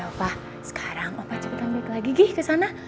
yaudah opa sekarang opa cepetan balik lagi gih kesana